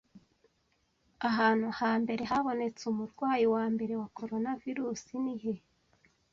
Ahantu ha mbere habonetse umurwayi wambere wa Coronavirusi ni he ?